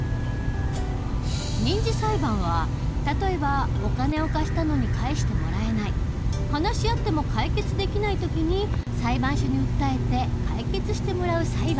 民事裁判は例えばお金を貸したのに返してもらえない話し合っても解決できない時に裁判所に訴えて解決してもらう裁判の事。